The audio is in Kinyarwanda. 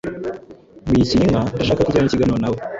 Nkurikiyinka, ndashaka kugirana ikiganiro nawe.